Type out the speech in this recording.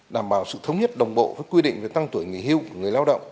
đảm bảo sự thống nhất đồng bộ với quy định về tăng tuổi nghỉ hưu của người lao động